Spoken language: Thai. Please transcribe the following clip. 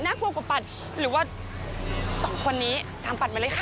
กลัวกว่าปัดหรือว่าสองคนนี้ตามปัดมาเลยค่ะ